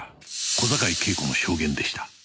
小坂井恵子の証言でした。